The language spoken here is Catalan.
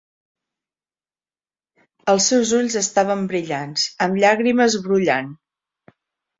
Els seus ulls estaven brillants, amb llàgrimes brollant.